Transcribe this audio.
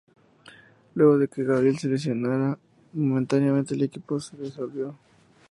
Luego de que Gabriel se lesionara, momentáneamente el equipo se disolvió.